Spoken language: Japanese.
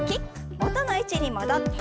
元の位置に戻って。